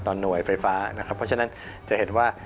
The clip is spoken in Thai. ตอนหน่วยไฟฟ้าเพราะฉะนั้นจะเห็นว่า